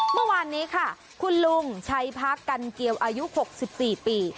เมื่อวานนี้ค่ะคุณลุงชัยพักกันเกียวอายุ๖๔ปี